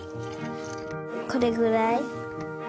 これぐらい？